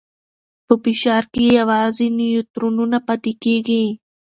په فشار کې یوازې نیوترونونه پاتې کېږي.